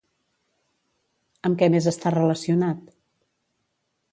Amb què més està relacionat?